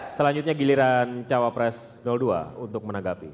selanjutnya giliran cawapres dua untuk menanggapi